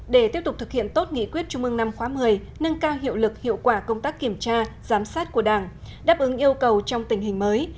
để tiếp tục thực hiện tốt nghị quyết trung mương năm khóa một mươi nâng cao hiệu lực hiệu quả công tác kiểm tra giám sát của đảng đáp ứng yêu cầu trong tình hình mới